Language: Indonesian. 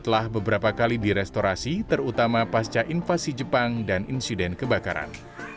telah beberapa kali direstorasi terutama pasca invasi jepang dan insiden kebakaran